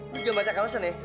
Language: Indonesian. jangan baca kalusan ya